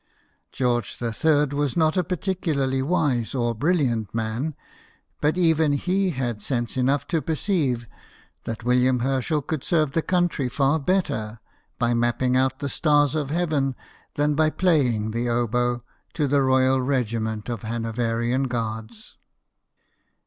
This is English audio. George III. was not a particularly wise or brilliant man ; but even he had sense enough to perceive that William Herschel could serve the country far better by mapping out the stars of heaven than by playing the oboe to the royal regiment of Hanoverian Guards.